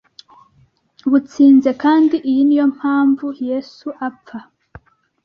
butsinze Kandi iyi niyo mpamvu Yesu apfa